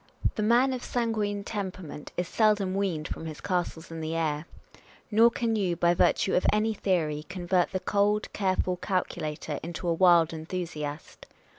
The man of sanguine temperament is seldom weaned from his castles in the air ; nor can you, by virtue of any theory, convert the cold, careful calculator into a wild enthusiast.